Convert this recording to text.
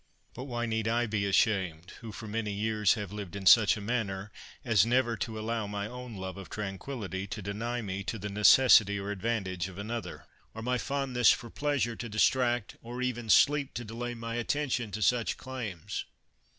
But why need I be ashamed, who for many years have lived in such a manner as never to allow my own love of tranquillity to deny me to the neces sity or advantage of another, or my fondness for pleasure to distract, or even sleep to delay my at tention to such claims